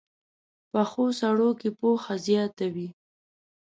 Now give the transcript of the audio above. پخو سړو کې پوهه زیاته وي